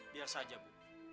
biar saja bu